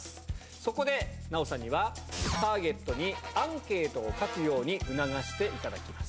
そこで、奈緒さんにはターゲットにアンケートを書くように促していただきます。